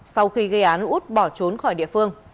sau khi gây án út bỏ trốn khỏi địa phương